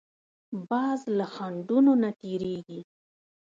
باز له خنډونو نه تېرېږي